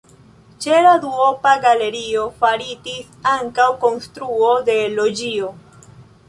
Ĉe la duopa galerio faritis ankaŭ konstruo de loĝio.